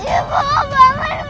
itu seperti suara tembakan